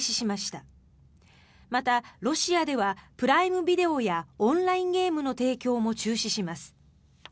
また、ロシアではプライムビデオやオンラインゲームの提供も中止します。